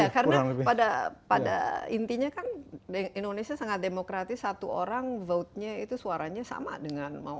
karena pada intinya kan indonesia sangat demokratis satu orang vote nya itu suaranya sama dengan mau